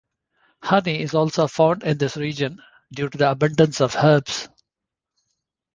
Honey is also found in this region, due to the abundance of herbs.